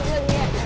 cek ampun ya